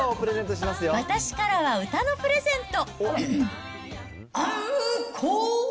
私からは歌のプレゼント。